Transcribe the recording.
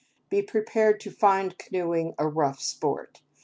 Be prepared to find canoeing a rough sport.